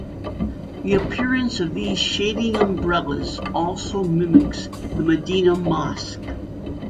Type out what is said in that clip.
The appearance of these shading umbrellas also mimics the Medina Mosque.